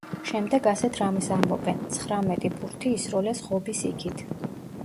შემდეგ ასეთ რამეს ამბობენ — ცხრამეტი ბურთი ისროლეს ღობის იქით.